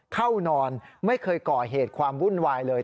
เข้านอนไม่เคยก่อเหตุความวุ่นวายเลย